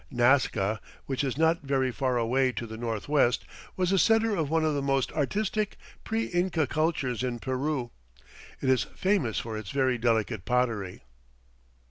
Nasca, which is not very far away to the northwest, was the center of one of the most artistic pre Inca cultures in Peru. It is famous for its very delicate pottery.